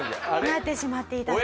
なってしまっていたんです。